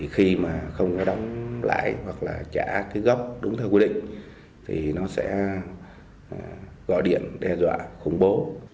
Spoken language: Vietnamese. khi mà không đóng lãi hoặc là trả cái gốc đúng theo quy định thì nó sẽ gọi điện đe dọa khủng bố